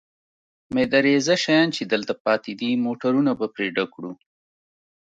مېده رېزه شیان چې دلته پاتې دي، موټرونه به په ډک کړو.